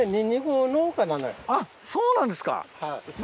あっそうなんですか。